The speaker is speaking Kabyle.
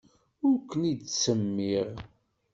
Ur ken-id-ttsemmiɣ.